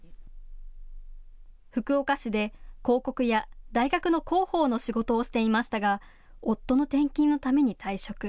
福岡市で広告や大学の広報の仕事をしていましたが夫の転勤のために退職。